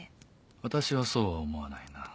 私はそうは思わないな。